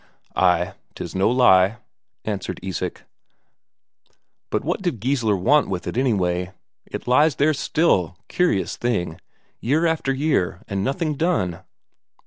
"Ay, 'tis no lie," answered Isak. "But what did Geissler want with it, anyway? It lies there still curious thing! Year after year and nothing done."